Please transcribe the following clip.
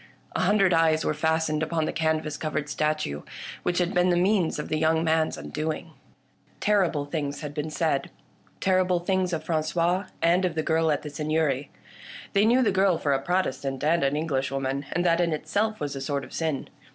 A hundred eyes were fastened upon the canvas covered statue, which had been the means of the young man's undoing. Terrible things had been said — terrible things of Frangois, and of the girl at the Seigneury. They knew the girl for a Protestant and an Englishwoman, and that in itself was a sort of sin.